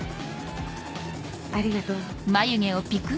ありがとう。